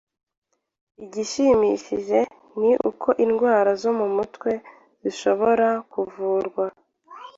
Igishimishije ni uko indwara zo mu mutwe zishobora kuvurwa.